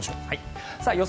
予想